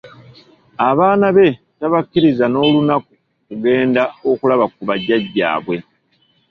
Abaana be tabakkiriza n'olunaku kugenda okulaba ku bajajjaabwe.